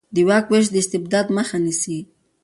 د واک وېش د استبداد مخه نیسي